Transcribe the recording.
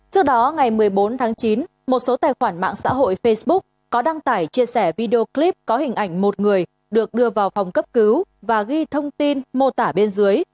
trước đó ngày một mươi bốn tháng chín một số tài khoản mạng xã hội facebook có đăng tải chia sẻ video clip có hình ảnh một người được đưa vào phòng cấp cứu và ghi thông tin mô tả bên dưới